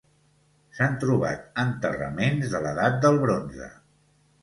S'han trobat enterraments de l'Edat del Bronze.